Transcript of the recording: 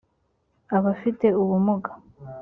abafite ubumuga